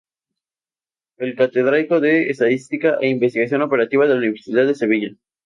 Es Catedrático de Estadística e Investigación Operativa de la Universidad de Sevilla.